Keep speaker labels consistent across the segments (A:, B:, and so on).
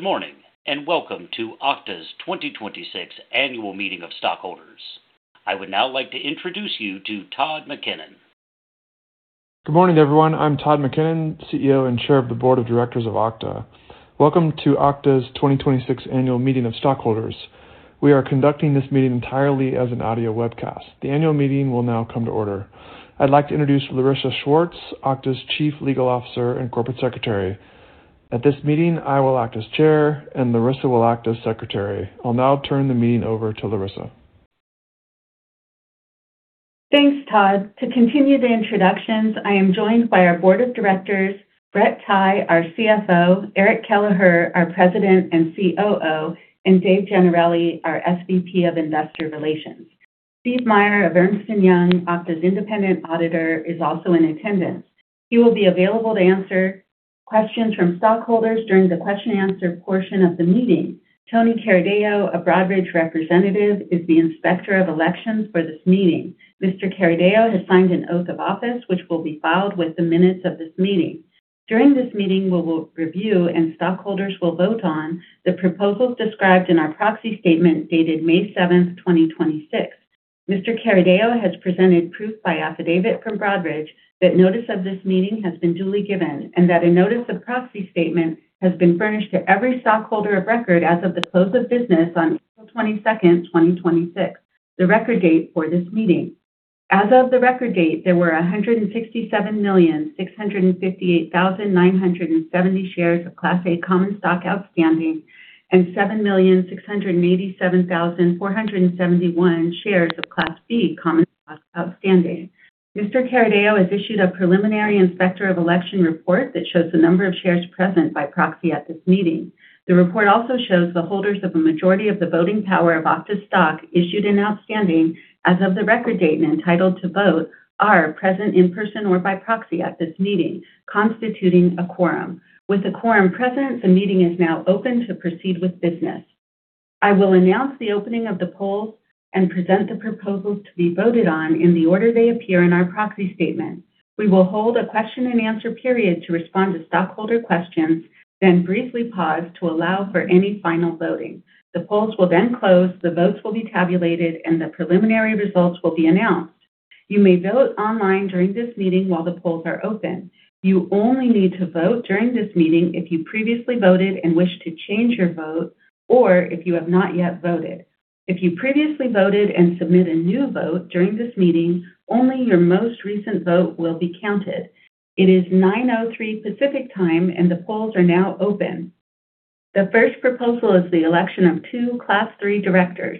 A: Good morning, welcome to Okta's 2026 Annual Meeting of Stockholders. I would now like to introduce you to Todd McKinnon.
B: Good morning, everyone. I'm Todd McKinnon, CEO and Chair of the Board of Directors of Okta. Welcome to Okta's 2026 annual meeting of stockholders. We are conducting this meeting entirely as an audio webcast. The annual meeting will now come to order. I'd like to introduce Larissa Schwartz, Okta's Chief Legal Officer and Corporate Secretary. At this meeting, I will act as Chair, and Larissa will act as Secretary. I'll now turn the meeting over to Larissa.
C: Thanks, Todd. To continue the introductions, I am joined by our Board of Directors, Brett Tighe, our CFO, Eric Kelleher, our President and COO, and Dave Gennarelli, our SVP of Investor Relations. Steve Meyer of Ernst & Young, Okta's Independent Auditor, is also in attendance. He will be available to answer questions from stockholders during the question and answer portion of the meeting. Tony Carideo, a Broadridge Representative, is the Inspector of Elections for this meeting. Mr. Carideo has signed an oath of office, which will be filed with the minutes of this meeting. During this meeting, we will review and stockholders will vote on the proposals described in our proxy statement dated May 7th, 2026. Mr. Carideo has presented proof by affidavit from Broadridge that notice of this meeting has been duly given and that a notice of proxy statement has been furnished to every stockholder of record as of the close of business on April 22nd, 2026, the record date for this meeting. As of the record date, there were 167,658,970 shares of Class A common stock outstanding and 7,687,471 shares of Class C common stock outstanding. Mr. Carideo has issued a preliminary Inspector of Elections report that shows the number of shares present by proxy at this meeting. The report also shows the holders of a majority of the voting power of Okta's stock, issued and outstanding as of the record date and entitled to vote, are present in person or by proxy at this meeting, constituting a quorum. With the quorum present, the meeting is now open to proceed with business. I will announce the opening of the polls and present the proposals to be voted on in the order they appear in our proxy statement. We will hold a question and answer period to respond to stockholder questions, then briefly pause to allow for any final voting. The polls will close, the votes will be tabulated, and the preliminary results will be announced. You may vote online during this meeting while the polls are open. You only need to vote during this meeting if you previously voted and wish to change your vote, or if you have not yet voted. If you previously voted and submit a new vote during this meeting, only your most recent vote will be counted. It is 9:03 Pacific Time. The polls are now open. The first proposal is the election of two Class III directors.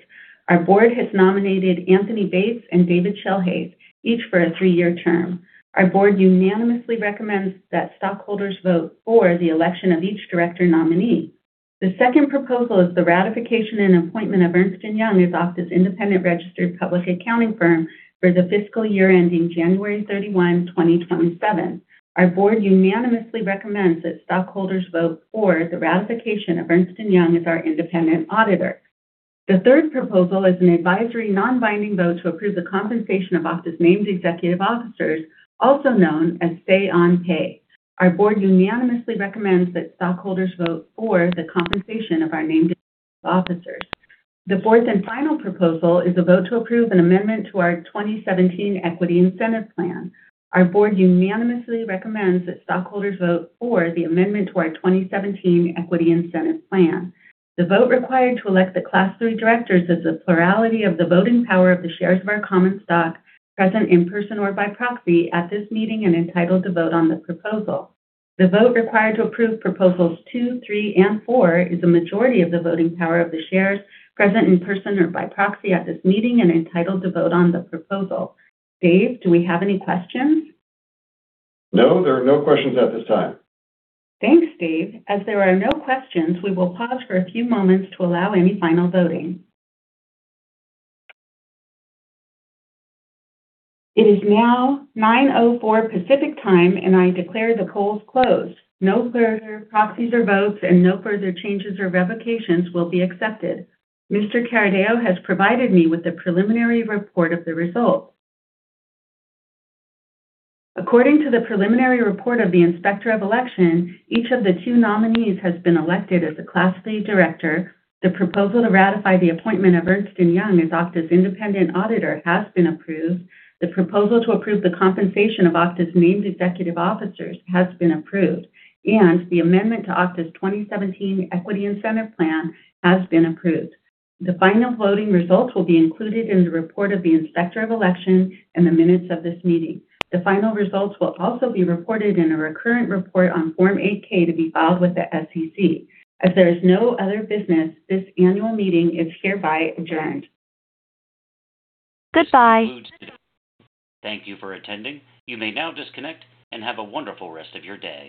C: Our board has nominated Anthony Bates and David Schellhase, each for a three-year term. Our board unanimously recommends that stockholders vote for the election of each director nominee. The second proposal is the ratification and appointment of Ernst & Young as Okta's independent registered public accounting firm for the fiscal year ending January 31, 2027. Our board unanimously recommends that stockholders vote for the ratification of Ernst & Young as our independent auditor. The third proposal is an advisory, non-binding vote to approve the compensation of Okta's named executive officers, also known as Say on Pay. Our board unanimously recommends that stockholders vote for the compensation of our named executive officers. The fourth and final proposal is a vote to approve an amendment to our 2017 Equity Incentive Plan. Our board unanimously recommends that stockholders vote for the amendment to our 2017 Equity Incentive Plan. The vote required to elect the Class III directors is a plurality of the voting power of the shares of our common stock present in person or by proxy at this meeting and entitled to vote on the proposal. The vote required to approve proposals two, three, and four is a majority of the voting power of the shares present in person or by proxy at this meeting and entitled to vote on the proposal. Dave, do we have any questions?
D: No, there are no questions at this time.
C: Thanks, Dave. As there are no questions, we will pause for a few moments to allow any final voting. It is now 9:04 A.M. Pacific Time. I declare the polls closed. No further proxies or votes. No further changes or revocations will be accepted. Mr. Carideo has provided me with the preliminary report of the results. According to the preliminary report of the inspector of election, each of the two nominees has been elected as a Class III director. The proposal to ratify the appointment of Ernst & Young as Okta's independent auditor has been approved. The proposal to approve the compensation of Okta's named executive officers has been approved. The amendment to Okta's 2017 Equity Incentive Plan has been approved. The final voting results will be included in the report of the inspector of election and the minutes of this meeting. The final results will also be reported in a current report on Form 8-K to be filed with the SEC. As there is no other business, this annual meeting is hereby adjourned.
A: This concludes today's meeting. Thank you for attending. You may now disconnect and have a wonderful rest of your day.